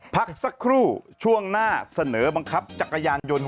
พักสักครู่ช่วงหน้าเสนอบังคับจักรยานยนต์